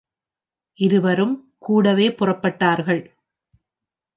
இருவரும் கூடவே புறப்பட்டார்கள்.